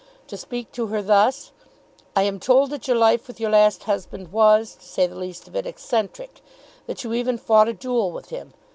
To speak to her thus; "I am told that your life with your last husband was, to say the least of it, eccentric; that you even fought a duel with him.